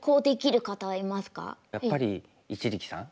やっぱり一力さん。